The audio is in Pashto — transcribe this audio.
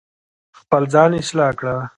خپل ځان اصلاح کړه